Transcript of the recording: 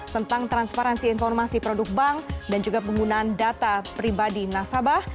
tentang transparansi informasi produk bank dan juga penggunaan data pribadi nasabah